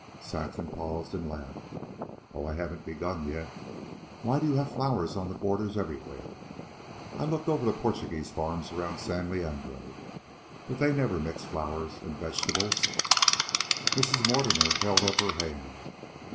Saxon paused and laughed. "Oh, I haven't begun yet. Why do you have flowers on the borders everywhere? I looked over the Portuguese farms around San Leandro, but they never mixed flowers and vegetables." Mrs. Mortimer held up her hand.